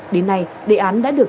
đến nay đề án đã được